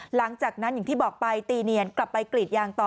หลังจากนั้นอย่างที่บอกไปตีเนียนกลับไปกรีดยางต่อ